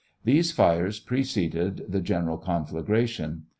These fires preceded the gen eral confl.agration.